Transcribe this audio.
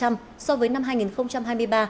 giảm một mươi năm so với năm hai nghìn hai mươi ba